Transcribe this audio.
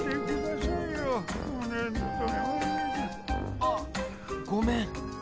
あっごめん。